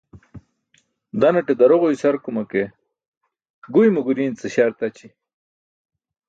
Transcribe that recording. Daanaṭe daroġo isarkuma ke guymo guriin ce śar taći.